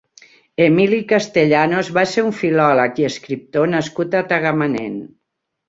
Emili Castellanos va ser un filòleg i escriptor nascut a Tagamanent.